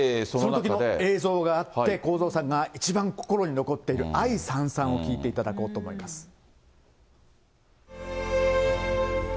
そのときの映像があって、公造さんが一番心に残っている愛燦燦を聞いていただこうと思います。